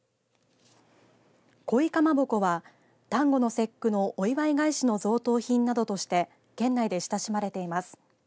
かまぼこは端午の節句のお祝い返しの贈答品などとして県内で親しまれています。